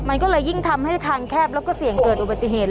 มันก็เลยยิ่งทำให้ทางแคบแล้วก็เสี่ยงเกิดอุบัติเหตุ